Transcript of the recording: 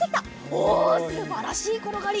おすばらしいころがり！